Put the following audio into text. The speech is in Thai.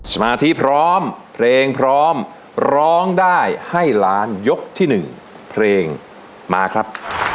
สมาธิพร้อมเพลงพร้อมร้องได้ให้ล้านยกที่๑เพลงมาครับ